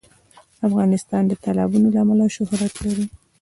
افغانستان د تالابونه له امله شهرت لري.